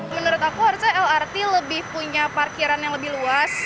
menurut aku harusnya lrt lebih punya parkiran yang lebih luas